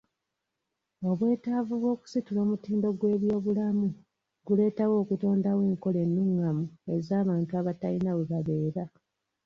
Obwetaavu bw'okusitula omutindo gw'ebyobulamu guleetera okutondawo enkola ennungamu ez'abantu abatayina we babeera.